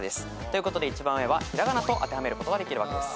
ということで一番上は平仮名と当てはめることができるわけです。